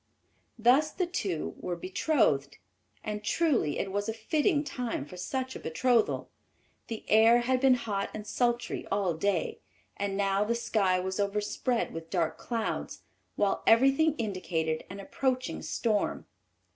Thus the two were betrothed. And truly it was a fitting time for such a betrothal. The air had been hot and sultry all day, and now the sky was overspread with dark clouds, while everything indicated an approaching storm.